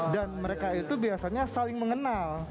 dan mereka itu biasanya saling mengenal